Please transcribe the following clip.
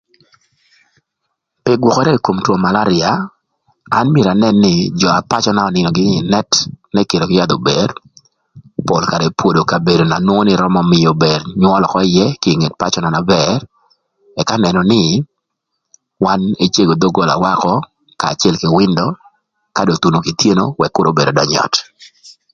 Pï gwökërë kï kom two malaria an myero anën nï jö pacöna önïnö gïnï ï net n'ëkïrö kï yath pol karë epwodo kabedo na mïögï nywöl gïnï ökö ïë na bër, ëka nënö nï wan ecego dhogolawa ökö kanya acël kï windo ka dong othuno kothyeno ëk kür öbër ödöny ï öt.